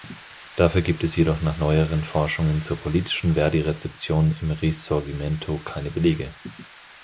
Dafür gibt es jedoch nach neueren Forschungen zur politischen Verdi-Rezeption im Risorgimento keine Belege.